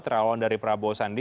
terawal dari prabowo sandi